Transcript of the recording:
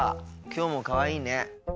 今日も、かわいいね。